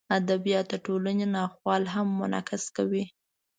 ادبیات د ټولنې ناخوالې هم منعکسوي.